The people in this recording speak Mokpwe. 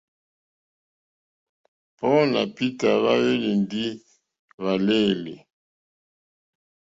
Paul nà Peter hwá hwélì ndí hwàléèlì.